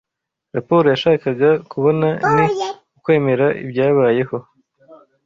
Raporo yashakga Kubona ni ukwemera ibyabayeho